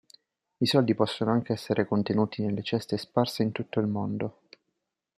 I soldi possono anche essere contenuti nelle ceste sparse in tutto il mondo.